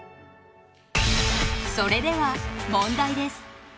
それでは問題です。